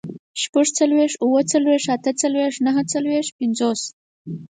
شپږڅلوېښت، اووه څلوېښت، اته څلوېښت، نهه څلوېښت، پينځوس